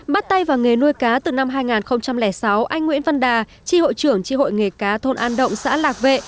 bắt tay vào nghề nuôi cá từ năm hai nghìn sáu anh nguyễn văn đà tri hội trưởng tri hội nghề cá thôn an động xã lạc vệ